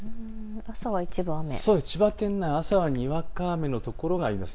千葉県内、朝はにわか雨の所があります。